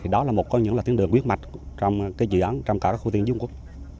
đó là một trong những tiến đường quyết mạch trong dự án trong các khu kinh tế dung quất